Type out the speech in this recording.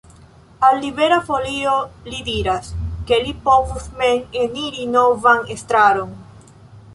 Al Libera Folio li diras, ke li povus mem eniri novan estraron.